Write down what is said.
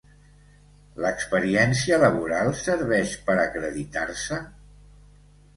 L'experiència laboral serveix per acreditar-se?